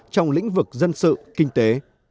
trong lĩnh vực dân sự kinh tế